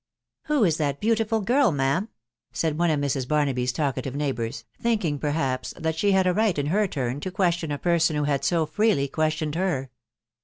" Who is that beautfful girl, ma'am ?" said one of Mrs. Barnaby's talkative neighbours,, thinking, perhaps, that she had a right, in her turn, to question a person who had so freely questioned her.